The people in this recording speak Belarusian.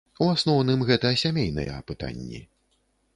У асноўным гэта сямейныя пытанні.